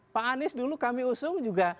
pak anies dulu kami usung juga